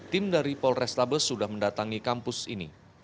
tim dari polrestabes sudah mendatangi kampus ini